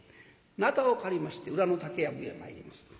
なたを借りまして裏の竹やぶへ参ります。